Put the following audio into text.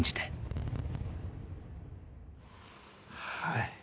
はい。